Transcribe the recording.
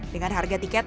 kita akan graris menuju